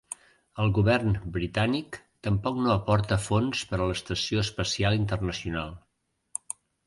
El govern britànic tampoc no aporta fons per a l'Estació Espacial Internacional.